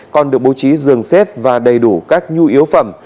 còn được bố trí giường xếp và đầy đủ các nhu yếu phẩm